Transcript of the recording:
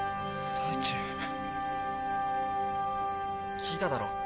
聞いただろ？